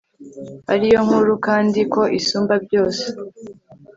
ariyo nkuru kandi ko isumba byose